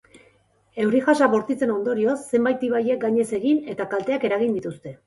Euri jasa bortitzen ondorioz zenbait ibaiek gainez egin eta kalteak eragin dituzte.